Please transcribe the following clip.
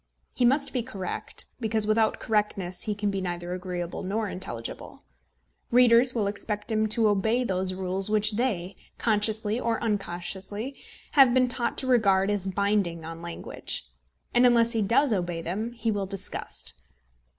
He must be correct, because without correctness he can be neither agreeable nor intelligible. Readers will expect him to obey those rules which they, consciously or unconsciously, have been taught to regard as binding on language; and unless he does obey them, he will disgust.